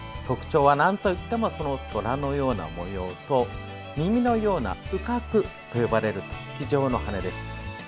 特徴はなんといってもそのトラのような模様と耳のような羽角と呼ばれる突起状の羽です。